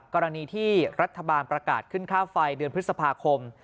กรณีที่รัฐบาลประกาศขึ้นค่าไฟเดือนพฤษภาคม